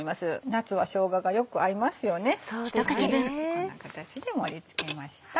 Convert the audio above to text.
こんな形で盛り付けました。